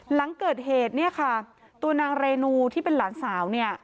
หลังเกิดเหตุเนี่ยค่ะตัวนางเรนูที่เป็นหลานสาวเนี่ย